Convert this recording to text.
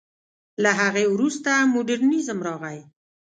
له هغې وروسته مډرنېزم راغی.